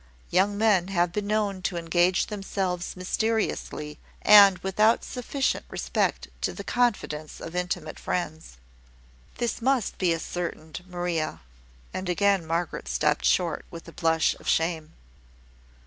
Young men have been known to engage themselves mysteriously, and without sufficient respect to the confidence of intimate friends." "This must be ascertained, Maria;" and again Margaret stopped short with a blush of shame.